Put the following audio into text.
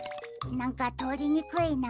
なんかとおりにくいな。